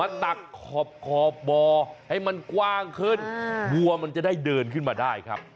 ตักขอบขอบบ่อให้มันกว้างขึ้นวัวมันจะได้เดินขึ้นมาได้ครับ